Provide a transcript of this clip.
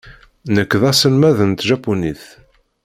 Nekk d aselmad n tjapunit.